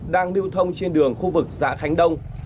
đang lưu thông trên đường khu vực xã khánh đông